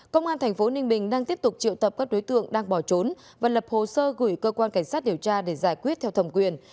công an tp ninh bình đang tiếp tục triệu tập các đối tượng đang bỏ trốn và lập hồ sơ gửi cơ quan cảnh sát điều tra để giải quyết theo thẩm quyền